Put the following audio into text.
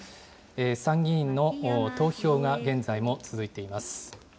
参議院の投票が現在も続いています。